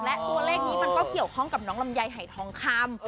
และตัวเลขนี้มันก็เกี่ยวข้องกับน้องลำไยหายทองคำ